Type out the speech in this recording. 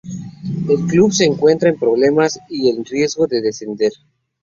El club se encuentra en problemas y en riesgo de descender.